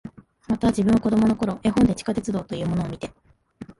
また、自分は子供の頃、絵本で地下鉄道というものを見て、